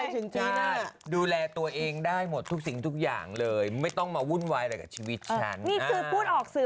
จริงดูแลตัวเองได้หมดทุกสิ่งทุกอย่างเลยไม่ต้องมาวุ่นวายอะไรกับชีวิตฉันนี่คือพูดออกสื่อ